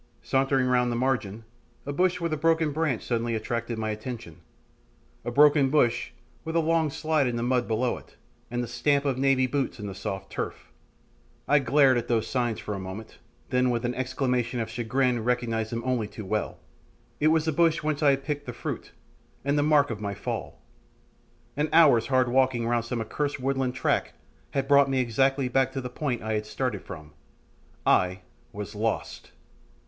Sauntering round the margin, a bush with a broken branch suddenly attracted my attention a broken bush with a long slide in the mud below it, and the stamp of Navy boots in the soft turf! I glared at those signs for a moment, then with an exclamation of chagrin recognised them only too well it was the bush whence I had picked the fruit, and the mark of my fall. An hour's hard walking round some accursed woodland track had brought me exactly back to the point I had started from I was lost!